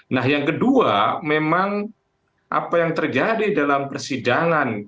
nah yang kedua memang apa yang terjadi dalam persidangan